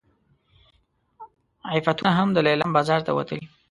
عفتونه هم د لیلام بازار ته وتلي.